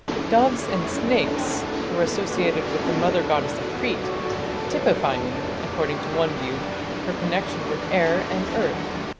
Doves and snakes were associated with the mother goddess of Crete, "typifying", according to one view, "her connection with air and earth.